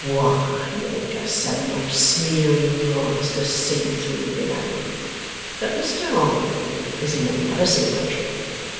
Why, you're just so much smeary glass to see through, you know! But Mr Harmon is in another sitiwation.